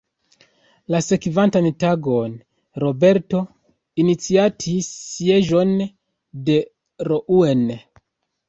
La sekvantan tagon Roberto iniciatis sieĝon de Rouen.